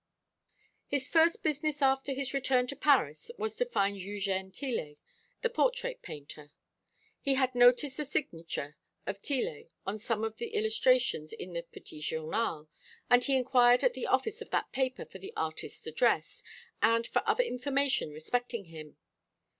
His first business after his return to Paris was to find Eugène Tillet, the portrait painter. He had noticed the signature of Tillet on some of the illustrations in the Petit Journal, and he inquired at the office of that paper for the artist's address, and for other information respecting him.